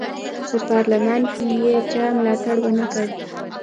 په پارلمان کې یې چا ملاتړ ونه کړ.